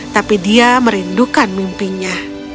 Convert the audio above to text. tapi dia merindukan mimpinya